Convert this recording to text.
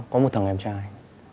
có một thằng em trai